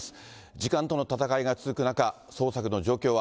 時間との戦いが続く中、捜索の状況は。